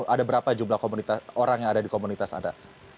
ada berapa jumlah orang yang ada di komunitas anda